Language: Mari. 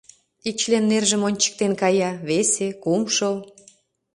Ик член нержым ончыктен кая, весе, кумшо.